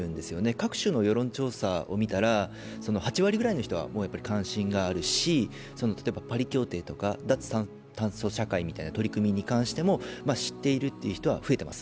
各種の世論調査を見たら、８割ぐらいの人は関心があるし、例えばパリ協定とか脱炭素化社会の取り組みなども知っているという人は増えています。